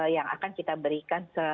yang akan kita berikan